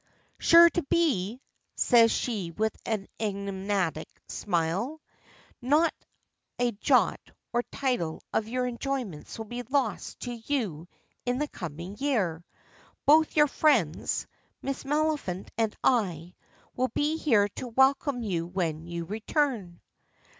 "Sure to be!" says she with an enigmatical smile. "Not a jot or tittle of your enjoyments will be lost to you in the coming year. Both your friends Miss Maliphant and I will be here to welcome you when you return."